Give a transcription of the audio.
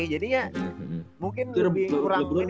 jadinya mungkin lebih kurang ini ya kurang effort